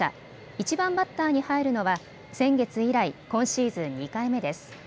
１番バッターに入るのは先月以来、今シーズン２回目です。